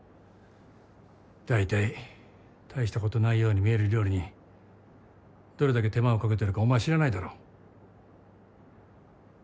だいたい大したことないように見える料理にどれだけ手間をかけてるかお前知らないだろ。